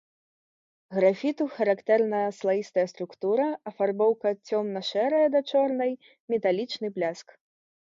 Графіту характэрна слаістая структура, афарбоўка цёмна-шэрая да чорнай, металічны бляск.